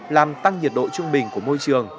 làm tăng nhiệt độ trung bình của môi trường